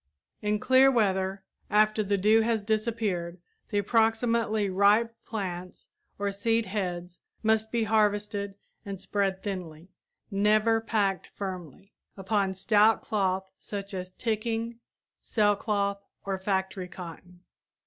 In clear weather after the dew has disappeared the approximately ripe plants or seed heads must be harvested and spread thinly never packed firmly upon stout cloth such as ticking, sailcloth, or factory cotton.